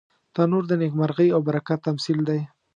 تنور د نیکمرغۍ او برکت تمثیل دی